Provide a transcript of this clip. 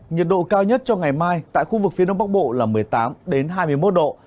nhiệt độ cao nhất cho ngày mai tại khu vực phía đông bắc bộ là một mươi tám hai mươi một độ